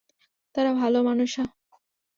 তারা ভালো মানুষ, হাহ?